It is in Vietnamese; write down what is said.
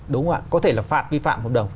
đúng không ạ có thể là phạt vi phạm hợp đồng